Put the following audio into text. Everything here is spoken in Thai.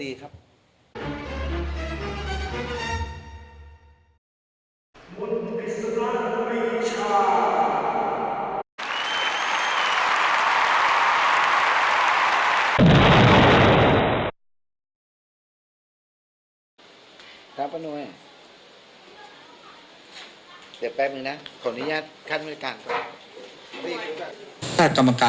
แต่เจ้าตัวก็ไม่ได้รับในส่วนนั้นหรอกนะครับ